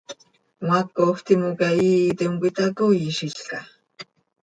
¿Cmaacoj timoca iiitim cöitacooizilca?